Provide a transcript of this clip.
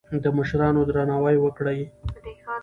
د مشرانو درناوی وکړئ.